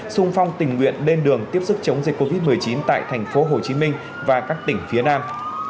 sung phong tình nguyện lên đường tiếp sức chống dịch covid một mươi chín tại thành phố hồ chí minh và các tỉnh phía nam